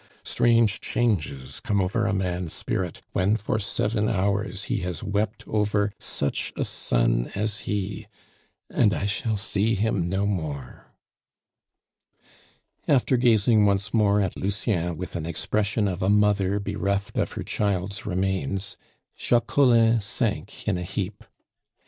strange changes come over a man's spirit when for seven hours he has wept over such a son as he And I shall see him no more!" After gazing once more at Lucien with an expression of a mother bereft of her child's remains, Jacques Collin sank in a heap.